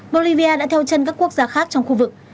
bolivia đã theo chân các quốc gia khác trong khu vực